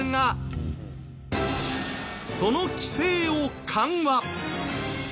その規制を緩和！